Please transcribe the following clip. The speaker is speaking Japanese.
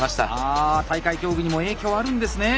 あ大会競技にも影響はあるんですね。